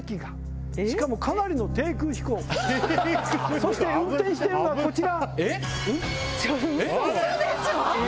そして運転しているのはこちら。